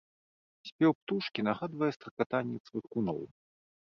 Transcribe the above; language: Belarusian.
Спеў птушкі нагадвае стракатанне цвыркуноў.